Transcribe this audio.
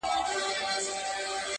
د هیلو تر مزاره مي اجل راته راغلی-